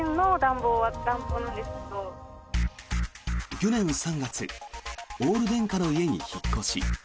去年３月オール電化の家に引っ越し。